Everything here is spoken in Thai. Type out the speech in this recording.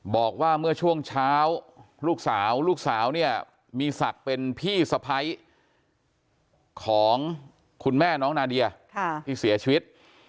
บอกว่าเมื่อช่วงเช้าลูกสาวลูกสาวเนี่ยมีศักดิ์เป็นพี่สะพ้ายของคุณแม่น้องนาเดียที่เสียชีวิต